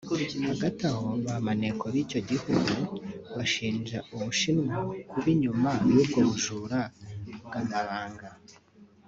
Hagati aho ba maneko b’icyo gihugu bashinja u Bushinwa kuba inyuma y’ubwo bujura bw’amabanga